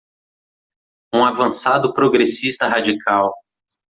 Um avançado progressista radical